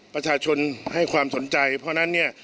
ประชาชนให้ความสนใจเพราะฉะนั้นเนี่ย